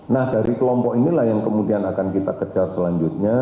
nah dari kelompok inilah yang kemudian akan kita kejar selanjutnya